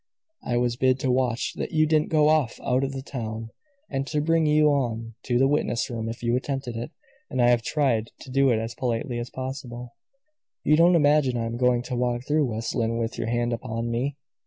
I was bid to watch that you didn't go off out of the town, and to bring you on to the witness room if you attempted it, and I have tried to do it as politely as possible." "You don't imagine I am going to walk through West Lynne with your hand upon me!"